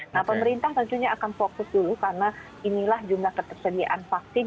nah pemerintah tentunya akan fokus dulu karena inilah jumlah ketersediaan vaksin